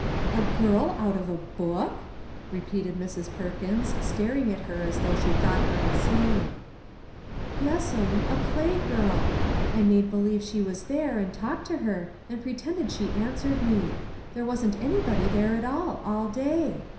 " A girl out of a book !" repeated Mrs. Per kins, staring at her as though she thought her insane. " Yes'm, a play girl I made believe she was there, and talked to her, and pretended she an swered me. There wasn't anybody there at all, all day.